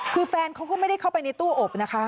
คือแฟนเขาก็ไม่ได้เข้าไปในตู้อบนะคะ